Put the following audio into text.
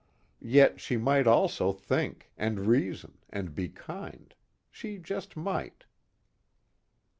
Yet she might also think, and reason, and be kind she just might.